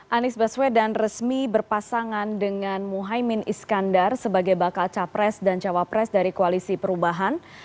anies baswedan resmi berpasangan dengan muhaymin iskandar sebagai bakal capres dan cawapres dari koalisi perubahan